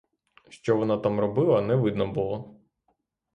Що вона там робила, не видно було.